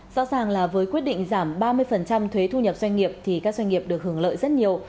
rõ ràng là với quyết định giảm ba mươi thuế thu nhập doanh nghiệp thì các doanh nghiệp được hưởng lợi rất nhiều